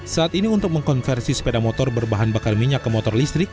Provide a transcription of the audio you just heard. saat ini untuk mengkonversi sepeda motor berbahan bakar minyak ke motor listrik